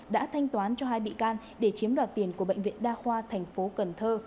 đã thanh toán cho hai bị can để chiếm đoạt tiền của bệnh viện đa khoa tp cn